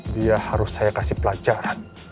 dia harus saya kasih pelajaran